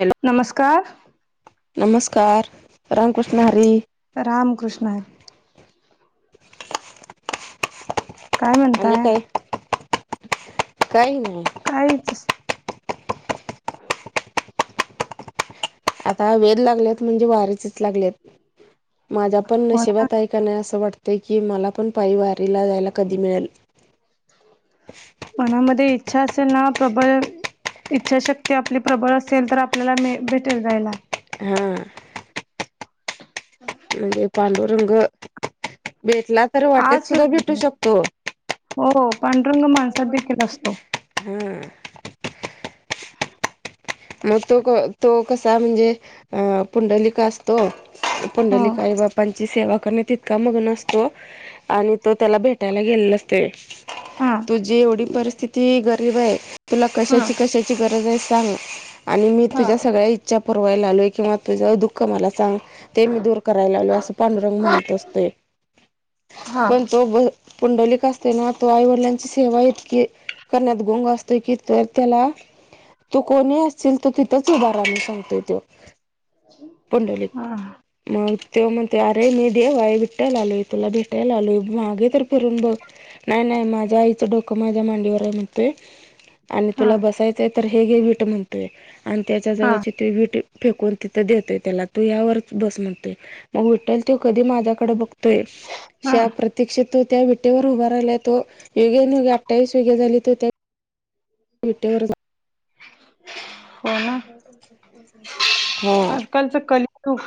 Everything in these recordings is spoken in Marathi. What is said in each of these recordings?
हॅलो नमस्कार नमस्कार रामकृष्ण हरी रामकृष्ण आहे काय आणि म्हणताय काय काय नाही काहीच आता वेद लागलेत म्हणजे वारीचेच लागलेत माझ्या पण होना नशिबात आहे असं वाटतंय की मला पण पायी वारीला जायला कधी मिळेल मनामध्ये इच्छा असेल ना प्रबळ इच्छाशक्ती आपली प्रबळ असेल तर आपल्याला मे भेटेल जायला हा म्हे पांडूरंग वेटला आ ला हो पांढुरंग माणस देखील असतो हम्म मग तो तो कसा म्हणजे अ पुंडलिका असतो हो पुंडलिकई बापांची सेवा करणे तितका मग्न असतो आणि तो त्याला भेटायला गेले नसते हा तुझी एवढी परिस्थिती गरीब आहे तुला हा कशाची कशाची गरज आहे सांग आणि मी हा तुझ्या सगळ्या इच्छा पुरवायला आलोय किंवा तुझं दुःख मला सांग ते मी दूर करायला आलोय असं पांडुरंग म्हणत असतोय हा पण तो पुंडलिक असतेना तर आई वडिलांची सेवा इतकी करण्यात गोंग असतोय की तर त्याला तु कोणी अस ल तर तिथंच उभार रााह सांगतोय तो पुंडलिक हा मग ते म्हणते अरे मी देव आहे विठ्ठल आले भेटायला आलोय तुला भेटायला आलोय मागे तर फिरून बघ नाही नाही माझ्या आईचं डोकं माझ्या मांडीवर आहे म्हणतोय आणि हा तुला बसायचंय तर हे घे विट म्हणतोय आणि त्याच्या हा जवळचे ते विट फेकून तिथं देतोय त्याला तू यावरच बस म्हणतोय मग विठ्ठल त्यो कधी माझ्याकडे बघत हा श प्रतीक्षित त्या विटेवर उभ राहिलाय तो युगे अठ्ठावीस युगे झाली विटेवर हो ना हा आजकालच कलियूग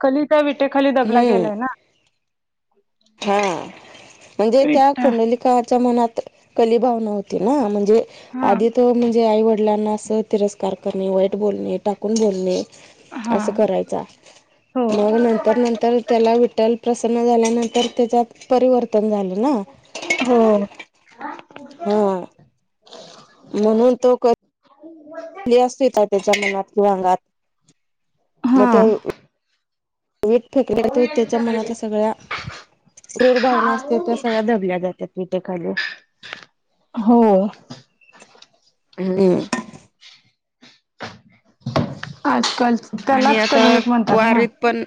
कलिता विटेखाली दबला हम्म गेलाय ना हा म्हणजे त्या विटा पुंडलिकाच्या मनात कलीभावना होती ना म्हणजे हा आधी तर म्हणजे आई वडिलांना अस तिरस्कार करणे वाईट बोलणे टाकून बोलणे हा असं करायचा हो मग नंतर नंतर त्याला विठ्ठल प्रसन्न झाल्यानंतर तर त्याच्यात परिवर्तन झालं ना हो हा म्हणून तो ह [unintelligible] [unintelligible] क्ली असते का त्याच्या मनात किंवां अंगात. म हा तो वीट फेकले जातो त्याच्या मनातल्या, सगळ्या क्रुर भावना असते त्या सगळ्या दबल्या जातात. मी तेे खाली हो. हम्म. आज कल आणि त्यालाच आता कलियुग म्हणतात ना, वारीत पण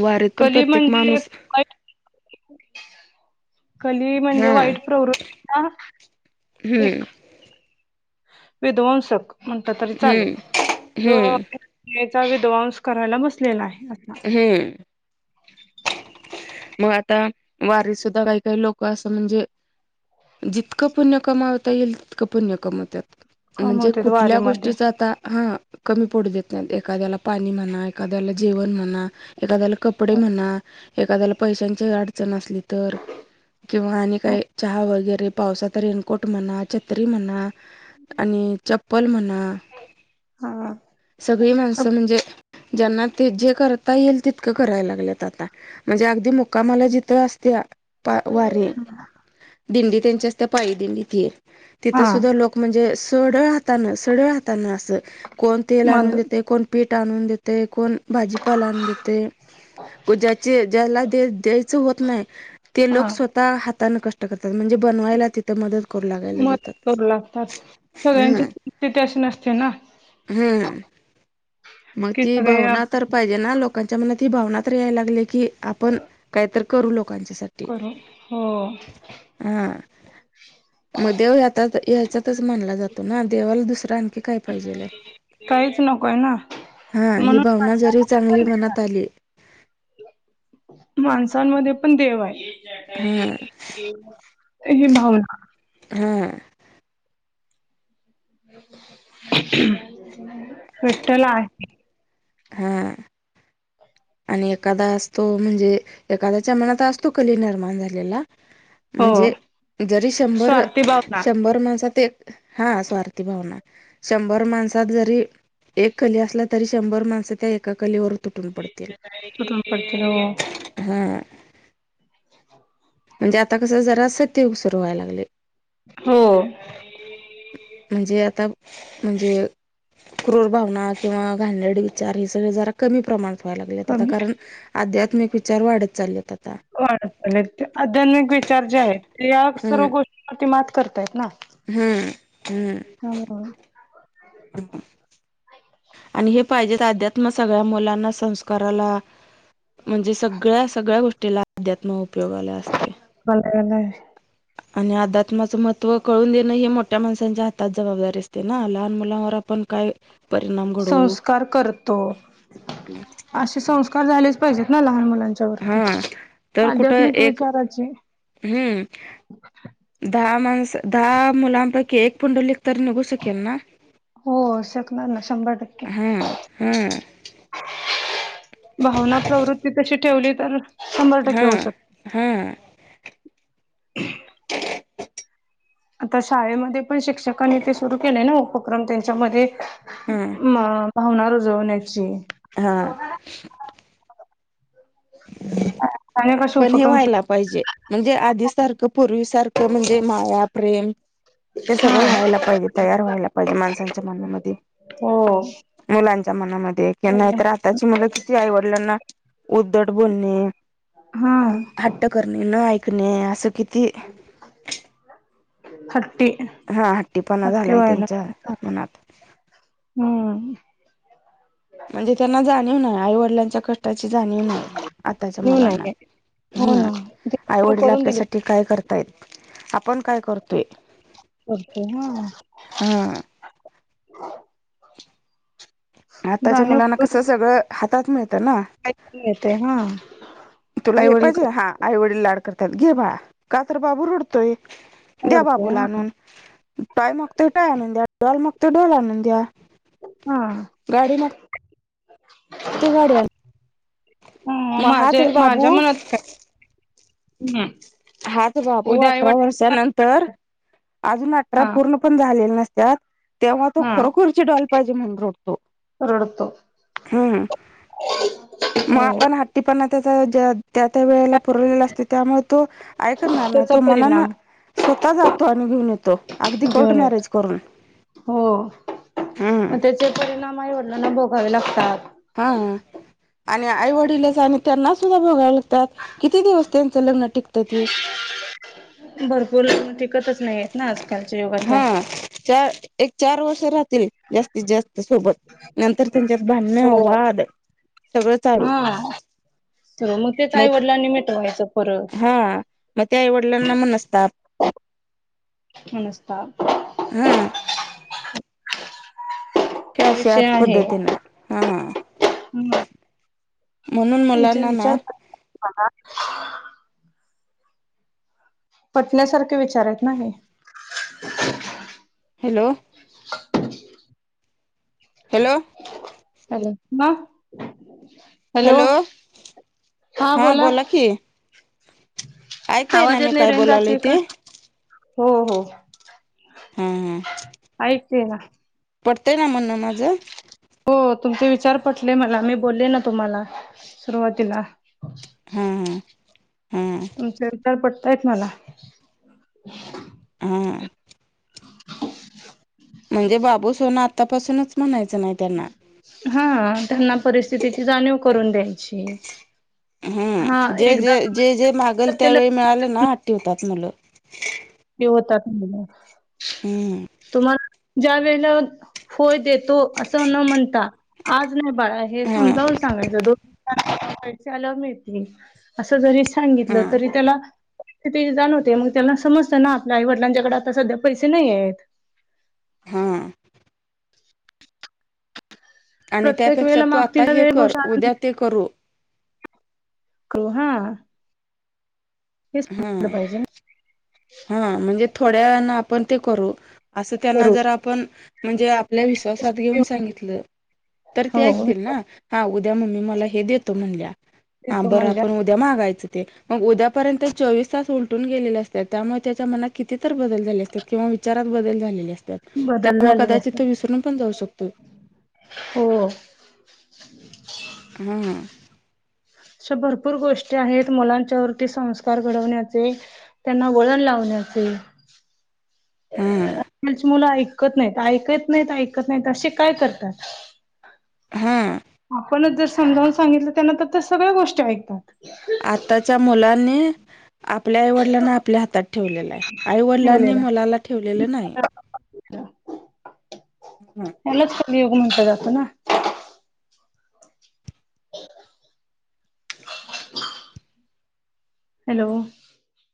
वारीत पण कली प्रत्येक म्हणजे माणूस [unintelligible] कली म्हणजे हा वाईट प्रवृत्ती ना हम्म एक विधवंसक म्हणता तरी हम्म चालेल. हम्म [unintelligible] येचा विध्वन्स करायला बसलेला आहे असा. हम्म. म आता वारी सुद्धा काही काही लोक असं म्हणजे, जितकं पुण्य कमावता येईल. तितकं पुण्य कमवत्यात. म्हणजे कमवतेत कुठल्या वारीमध्ये गोष्टीच आता हा. कमी पडू देत नाही एखाद्याला पाणी, म्हणा एखाद्याला जेवण म्हणा. एखाद्याला कपडे म्हणा, एखाद्याला पैशांची अडचण असली तर किंवा आणि काय चहा वगैरे, पावसाात रेनकोट म्हणा छत त्री म्हणा आणि चप्पल म्हणा. हा सगळी माणसं म्हणजे ज्यांना, ते जे करता येईल तितकं करायला लागलेत आता. म्हणजे अगदी मुक्कामाला जित असत्या. पाय वारी दिंडी त्यांची, असते पायी दिंडीत तिथं हा. सुद्धा लोक म्हणजे सढळ हातान सढळ, हातान अस कोण तेल मद आणून देतय. कोण पीठ आणून देतेय कोण. भाजीपालान आनून देतेय कु ज्याचे, ज्याला देत द्यायचं होत नाही. ते हा लोक स्वतः हातने कात ते करतात म्हणजे बनवायला तिथं, मदत करू लागायला मदत जातात हम्म. तिथ अशी नसते ना, हम्म मग कि ती सगळे भावना तर पाहि हे ना लोकांच्या मनात ही भावनात यायला लागले. की आपण काहीत करू लोकांच्यासाठी. करू हो. हा मग देव यातात याचातच म्हनला जातो ना, देवाला दुसरा आणखी काय पाहिजेलं हे? काहीच नको आहे ना, हा ही म्हणून भावना जरी माणसाला [unintelligible] चांगली पण मनात देणार. आली माणसांमध्ये पण देव आहे. हा [unintelligible] [unintelligible] ही भावना हा. विठ्ठल आहे. हा. आणि एखादा असतो म्हणजे एखाद्याच्या, मनात असतो कली निर्माण झालेला. म्हणजे हो जरी शंभर, स्वार्थी भावना शंभर माणसात एक हा स्वार्थी भावना. शंभर माणसात जरी एक कली असला. तरी शंभर माणस त्या एका कलीवर तुटून पडतील [unintelligible] तुटून पडत नव. हा. म्हणजे आता कसं जरा तिवसुरू व्हायला लागले. हो. म्हणजे आता म्हणजे क्रूर भावना किंवा घानेरडे विचार हे सगळे जरा कमी प्रमाणात. लाग आता कमी कारण आध्यात्मिक विचार वाढत चाललेत आता ले आध्यात्मिक विचार जे आहे ते या हम्म सर्व गोष्टींवरती मात करतायत ना. हम्म हम् त्यामुळे ह. आणि हे पाहिजे अध्यात्म सगळ्या मुलांना संस्काराला म्हणजे सगळ्या सगळ्या गोष्टीला अध्यात्म उपयोग आला असते. मल आणि अध्यात्माचं महत्त्व कळून देणं हे मोठ्या माणसांच्या हातात जबाबदारी असते ना लहान मुलांवर आपण काय? परिणाम घडवू संस्कार करतो असे संस्कार झालेच पाहिजेत ना लहान मुला त्यां वती हा तर कुठं आध्यात्मिक एक विचाराची हम्म. दहा माणस दहा मुलांपैकी एक पुंडलीिक तर निघू शकेल ना. हो शकणार ना शंभर टक्के हा हा भावना प्रवृत्ती तशी ठेवली तर शंभर टक्के हा होऊ शकते हा. ह. आता शाळेमध्ये पण शिक्षकांनी ते सुरू केलंय ना उपक्रम त्यांच्यामध्ये हा म भावना रुजवण्याची हा. कश पण हे उपक्रम व्हायला पाहिजे म्हणजे आधी सारखं पूर्वी सारखं म्हणजे माया प्रेम हे हा सगळं व्हायला पाहिजे तयार व्हायला पाहिजे माणसांच्या मनामध्ये होम. मुलांच्या मनामध्ये कि नाहीतर आताची मुलं किती आईवडलांना उद्धट बोलणे. हा हट्ट करणे न ऐकणे असं किती? ह्टी हा हट्टीपणा अ झालाय आहे ना त्यांच्या मनात हम्म. म्हणजे त्यांना जाणीव ना आईवडिलांच्या क ची जाणीव आहे आताच्या येऊ मुलांना नाही हो हम्म ना आई ते वडील करून दिली आपल्यासाठी काय करतायत आपण काय करतोय कररती ह हां आताच्या जाणीव मुलांना कसं सगळ हातात मिळतं ना येत हा तुला आई हे वडील पाहिजे हा आई वडील लाड करतात घे बा का तर बाबू रुडतोय द्या आवडते बाबूला हा आणून टाय मग तो टाय आणून द्या डल मग तो डोल आणून द्या हा गाडी मागतोय गाडी आणून ह द्या. मग हाच माझ्या माझ्या बाबू मनात काय हाच बाबू उद्या आई अठरा वर्षानंतर वडील अजून अठरा हा पूर्ण पण झालेल्या नसत्यात तेव्हा तो हा खरोखरची डॉल पाहिजे म्हणून रोडतो रडतो हम मग हो आपण हट्टीपणा त्याचा त्या त्या वेळेला पुरवलेला असतो त्यामुळे तो काय करणार नाही त्याचा तो मला ना परिणाम स्वतः जातो आणि घेऊन येतो अगदी कोर्ट घेऊन मॅरेज येतो करून हो मग हम्म त्याचे परिणाम आईवडलांना भोगावे लागतात हा आणि आई वडीलच आणि त्यांना सुद्धा बोघावे लागतात किती दिवस त्यांचं लग्न टिकतं ते भरपूर टिकतच नाही आहेत ना आजकालच्या युगात्या हा चार एक चार वर्ष राहतील जास्त त जास्त सोबत नंतर त्यांच्यात भानण हो वाद सगळं चालू हा तर मग तेच आईवडलां आणि मिेट मायचं परत म ते आईवडिलांना मनस्ताप. मनस्ता हं! कॅश यात पद्धतीन हा. हूं! म्हणून तुमचे मुलांना ना विचार पटण्यासारखे विचारेत ना हे. हॅलो! हॅलो! हॅलो मा. हॅलो हा बोला. ऐकताय ना आवाज येत मी नाही काय रेंज जात बोलायलोय नाही ते का? हो हो हा आयकते ना. पटतय ना म्हणणं माझं. हो तुमचे विचार पटले मला, मी बोलले ना तुम्हाला सुरुवातीला. हा हा! तुमचे विचार पटतायेत मला. हां! म्हणजे बाबू सोना आत्तापासूनच म्हणायचं नाही त्यांना. हा त्यांना परिस्थितीची जाणीव करून द्यायची. हा हूं जे एकदा जे जे जे मागेल तुम्ही ते त्यावेेळी मिळालं लगेच ना आती उततात मुलं. ते होतात मुलं. हूं! तुम्हाला ज्या वेळेला होय देतो, असं न म्हणता आज नाही बाळा हे हा समजावून सांगायच दोन [unintelligible] सांगितलं हा तरी त्याला स्थितीची जाण होते, मग त्याला समज त ना आपल्या आईवडिलांच्याकडे आता सध्या पैसे नही हेत. हा आणि प्रत्येक त्यापेक्षा वेळेला तू आता मागतील हे वेळ कर, गोष्ट उद्या ते करू. कू हा. हेच हूं म्हटलं पाहिजे हूं म्हणजे थोड्या वेळाने आपण ते करू. असं त्यांना करू जर आपण म्हणजे आपल्या विस प्रसाद घेऊन सांगितलं, तर हो ते ऐकतील ना हा उद्या मम्मी मला हे देतो म्हणल्या. हा तो बरं म्हणजे आपण उद्या मागायचं ते मग उद्यापर्यंत. चोवीस तास उलटून गेलेले असत्यात त्यामुळे त्याच्या मनात कितीतर बदल झाले असत्यात, किंवा विचारात बदल झालेले असत्यात. बदल त्यामूळ झालेले कदाचित तो असतात विसरून पण जाऊ शकतोय. हो! हं! अश्या भरपूर गोष्टी आहेत, मुलांच्या वरती संस्कार घडवण्याचे त्यांना वळण लावण्याचे. [inaudible] हा च मुलं ऐकत नाहीत ऐकत नाहीत, ऐकत नाहीत, असे काय करतात. हं! आपणच जर समजावून सांगितलं त्यांना तर ते सगळ्या गोष्टी ऐकतात. आत्ताच्या मुलांनी आपल्या आईवडिलांना आपल्या हातात ठेवलेलं आहे, आईवडिलांनी ठेवलेल्या मुलाला ठेवलेलं नाही. हम यालाच कली युग म्हटलं जात ना. [unintelligible] हॅलो!